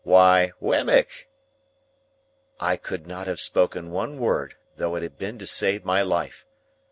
Why, Wemmick." I could not have spoken one word, though it had been to save my life.